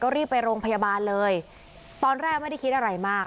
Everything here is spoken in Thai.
รีบไปโรงพยาบาลเลยตอนแรกไม่ได้คิดอะไรมาก